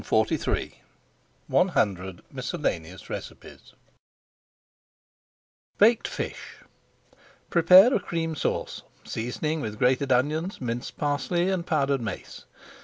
[Page 453] ONE HUNDRED MISCELLANEOUS RECIPES BAKED FISH Prepare a Cream Sauce, seasoning with grated onion, minced parsley, and powdered mace.